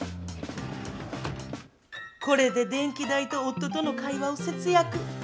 これで電気代と夫との会話を節約。